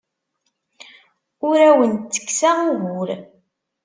Ur awen-ttekkseɣ ugur.